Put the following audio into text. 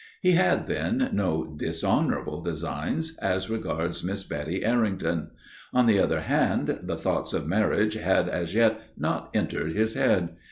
He had, then, no dishonorable designs as regards Miss Betty Errington. On the other hand, the thoughts of marriage had as yet not entered his head.